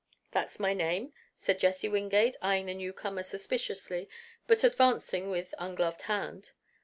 "That's my name," said Jesse Wingate, eyeing the newcomer suspiciously, but advancing with ungloved hand.